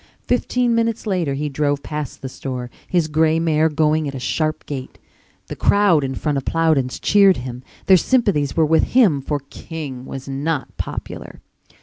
Fifteen minutes later he drove past the store, his gray mare going at a sharp gait. The crowd in front of Plowden's cheered him, their sympathies were with him for King was not popular.